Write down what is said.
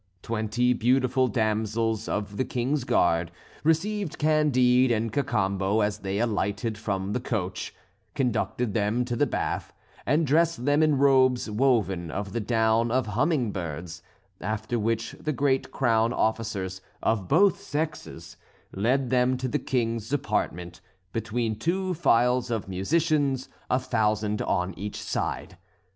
Twenty beautiful damsels of the King's guard received Candide and Cacambo as they alighted from the coach, conducted them to the bath, and dressed them in robes woven of the down of humming birds; after which the great crown officers, of both sexes, led them to the King's apartment, between two files of musicians, a thousand on each side.